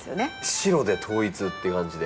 白で統一っていう感じで。